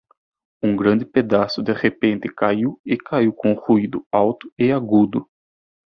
Um grande pedaço de repente caiu e caiu com um ruído alto e agudo.